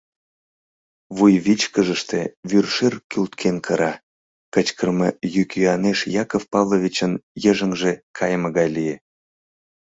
Вуй вичкыжыште вӱршер кӱлткен кыра, кычкырыме йӱк-йӱанеш Яков Павловичын йыжыҥже кайыме гай лие.